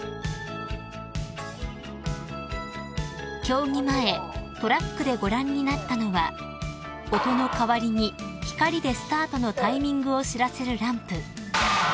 ［競技前トラックでご覧になったのは音の代わりに光でスタートのタイミングを知らせるランプ］